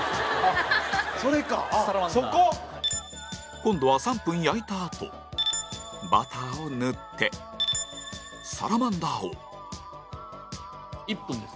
今度は、３分焼いたあとバターを塗ってサラマンダーを１分です。